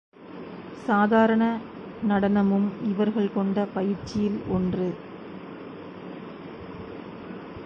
சாதாரண நடனமும் இவர்கள் கொண்ட பயிற்சியில் ஒன்று.